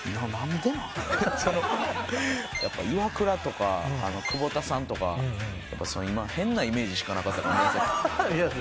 やっぱイワクラとか久保田さんとか今変なイメージしかなかったから宮崎。